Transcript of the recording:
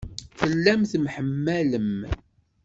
Tellam temḥemmalem.